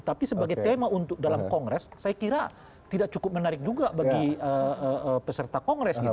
tapi sebagai tema untuk dalam kongres saya kira tidak cukup menarik juga bagi peserta kongres gitu